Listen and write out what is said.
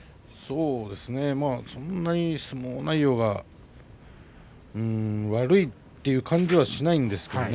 そんなに相撲内容は悪いという感じはしないんですがね